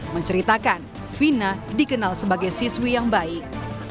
menceritakan fina dikenal sebagai siswi yang baik